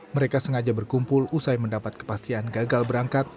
mereka sengaja berkumpul usai mendapat kepastian gagal berangkat